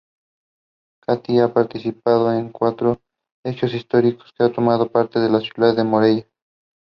She made her debut in International short film named "Wild Geese".